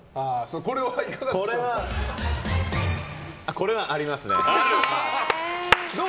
これは、あります。